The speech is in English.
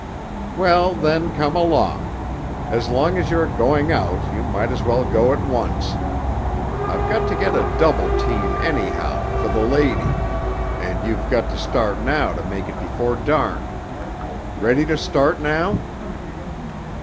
Well, then, come along. As long as you're going out you might as well go at once. I've got to get a double team, anyhow, for the lady, and you've got to start now to make it before dark. Ready to start now?"